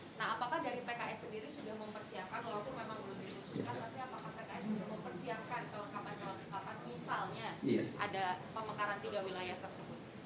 kalau kapan kapan misalnya ada pemekaran tiga wilayah tersebut